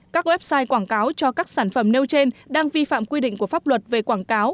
các website quảng cáo cho các sản phẩm nêu trên đang vi phạm quy định của pháp luật về quảng cáo